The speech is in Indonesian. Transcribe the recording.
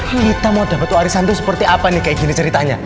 kita mau dapet tuh arisanto seperti apa nih kayak gini ceritanya